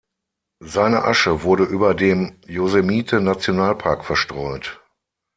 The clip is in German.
Seine Asche wurde über dem Yosemite-Nationalpark verstreut.